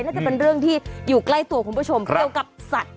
น่าจะเป็นเรื่องที่อยู่ใกล้ตัวคุณผู้ชมเกี่ยวกับสัตว์